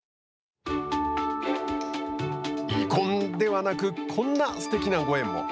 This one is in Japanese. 遺恨ではなくこんなすてきなご縁も。